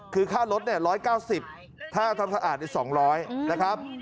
คือค่ารถ๑๙๐ถ้าทำสะอาดใน๒๐๐นะครับ